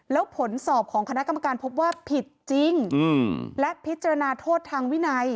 แล้วผลสอบของคณะกรรมการพบว่าผิดจริงและพิจารณาโทษทางวินัย